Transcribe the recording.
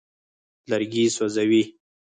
لرګي سوځوي.